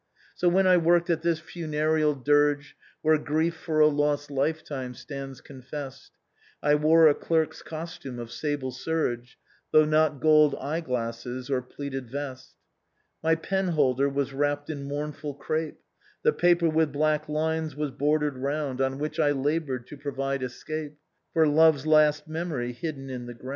" So, when I worked at this funereal dirge, Where grief for a lost lifetime stands confessed, I wore a clerk's costume of sable serge, Though not gold eye glasses or pleated vest. *' My penholder was wrapped in mournful crape, The paper with black lines was bordered round On which I labored to provide escape For love's last memory hidden in the ground.